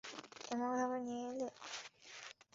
এমনভাবে নিয়ে এলে?